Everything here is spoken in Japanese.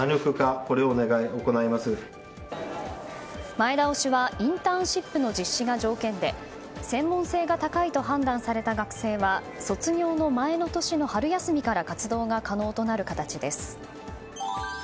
前倒しは、インターンシップの実施が条件で専門性が高いと判断された学生は卒業の前の年の春休みから活動が可能となる形です。